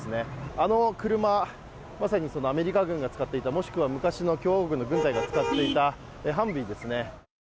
あの車、まさにアメリカ軍が使っていたもしくは昔の共和軍の軍隊が使っていたハンヴィーですね。